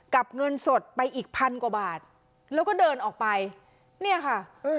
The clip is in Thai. กับเงินสดไปอีกพันกว่าบาทแล้วก็เดินออกไปเนี่ยค่ะ